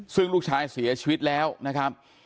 ซึ่งลูกชายเสียชีวิตแล้วนะครับ